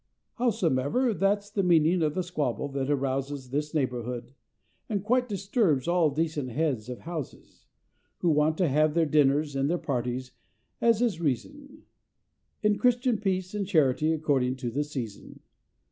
Howsomever that's the meaning of the squabble that arouses This neighborhood, and quite disturbs all decent Heads of Houses, Who want to have their dinners and their parties, as is reason, In Christian peace and charity according to the season.